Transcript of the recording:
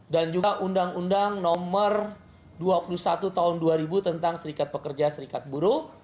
dan juga undang undang no dua puluh satu tahun dua ribu tentang serikat pekerja serikat buruh